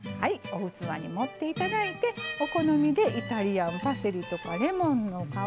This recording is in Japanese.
お器に盛って頂いてお好みでイタリアンパセリとかレモンの皮